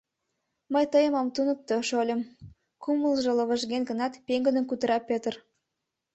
— Мый тыйым ом туныкто, шольым, — кумылжо лывыжген гынат, пеҥгыдын кутыра Пӧтыр.